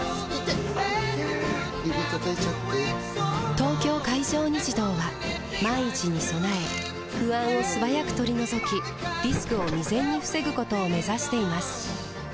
指たたいちゃって・・・「東京海上日動」は万一に備え不安を素早く取り除きリスクを未然に防ぐことを目指しています